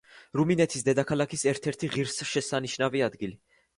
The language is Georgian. რუმინეთის დედაქალაქის ერთ-ერთი ღირსშესანიშნავი ადგილი.